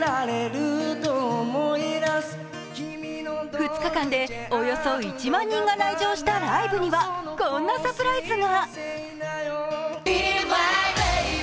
２日間でおよそ１万人が来場したライブにはこんなサプライズが。